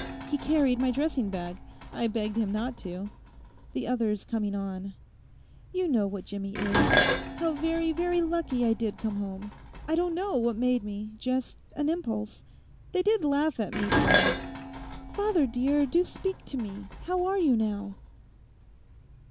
He carried my dressing bag; I begged him not to. The other's coming on. You know what Jimmie is. How very, very lucky I did come home. I don't know what made me; just an impulse; they did laugh at me so. Father dear—do speak to me; how are you now?